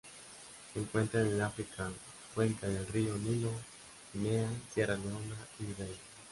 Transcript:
Se encuentran en África: cuenca del río Nilo, Guinea, Sierra Leona y Liberia.